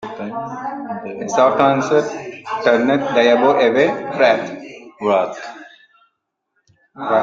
A soft answer turneth diabo away wrath.